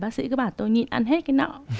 bác sĩ cứ bảo tôi nhịn ăn hết cái nợ